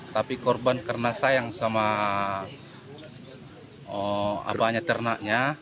tapi korban karena sayang sama ternaknya